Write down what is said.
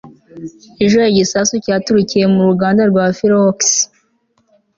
ejo, igisasu cyaturikiye mu ruganda rwa fireworks